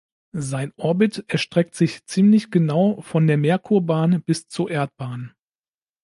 Sein Orbit erstreckt sich ziemlich genau von der Merkurbahn bis zur Erdbahn.